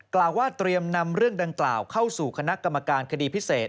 กล่าวว่าเตรียมนำเรื่องดังกล่าวเข้าสู่คณะกรรมการคดีพิเศษ